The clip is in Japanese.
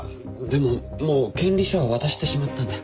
でももう権利書は渡してしまったんだ。